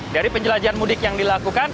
dari penjelajahan mudik yang dilakukan